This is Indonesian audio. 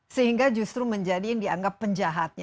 sehingga justru menjadi yang dianggap penjahatnya